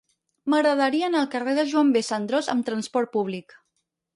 M'agradaria anar al carrer de Joan B. Cendrós amb trasport públic.